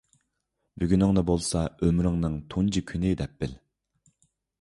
بۈگۈنۈڭنى بولسا ئۆمرۈمنىڭ تۇنجى كۈنى دەپ بىل.